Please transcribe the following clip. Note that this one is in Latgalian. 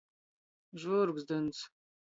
Žvūrgzdyns.